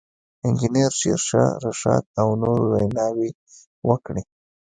انجنیر شېرشاه رشاد او نورو ویناوې وکړې.